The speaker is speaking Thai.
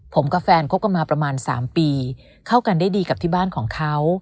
ผมกับแฟนคบกันมาประมาณ๓ปีเข้ากันได้ดีกับที่บ้านของเขา